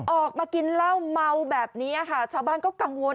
ออกมากินเหล้าเมาแบบนี้ค่ะชาวบ้านก็กังวล